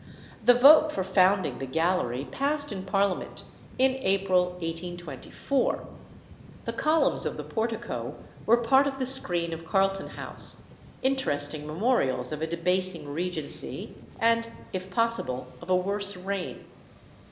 The vote for founding the Gallery passed in Parliament in April 1824. The columns of the portico were part of the screen of Carlton House interesting memorials of a debasing regency, and, if possible, of a worse reign.